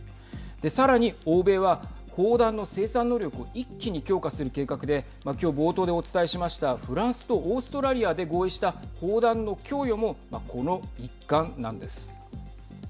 さらに欧米は砲弾の生産能力を一気に強化する計画で今日、冒頭でお伝えしましたフランスとオーストラリアで合意した砲弾の供与もこの一環なんです。